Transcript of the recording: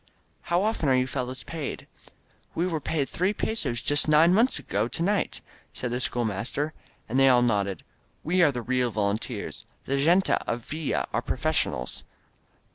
"How often are you fellows paid?" "We were paid three pesos just nine months ago to night," said the schoolmaster, and they all nodded. "We are the real volunteers. The gente of Villa are professionals."